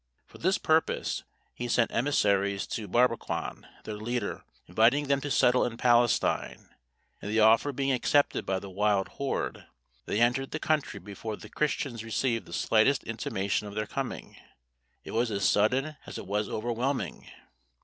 For this purpose, he sent emissaries to Barbaquan, their leader, inviting them to settle in Palestine; and the offer being accepted by the wild horde, they entered the country before the Christians received the slightest intimation of their coming. It was as sudden as it was overwhelming.